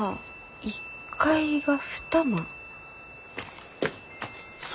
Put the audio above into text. １階は２間？